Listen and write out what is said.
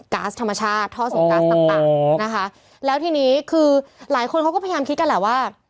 ๊าซธรรมชาติท่อส่งก๊าซต่างต่างนะคะแล้วทีนี้คือหลายคนเขาก็พยายามคิดกันแหละว่า